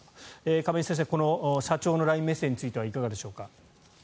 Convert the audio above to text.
亀井先生、この社長のＬＩＮＥメッセージについてはいかがでしょうか。